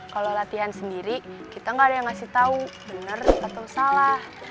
kalau latihan sendiri kita gak ada yang ngasih tau bener atau salah